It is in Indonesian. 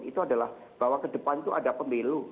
itu adalah bahwa ke depan itu ada pemilu